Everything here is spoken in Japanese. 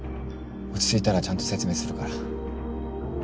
落ち着いたらちゃんと説明するから。